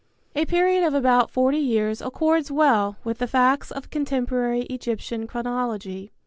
A period of about forty years accords well with the facts of contemporary Egyptian chronology.